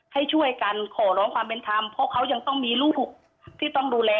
ให้ช่วยกันขอร้องความเป็นธรรมเพราะเขายังต้องมีลูกที่ต้องดูแล